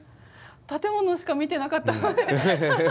建物しか見てなかった。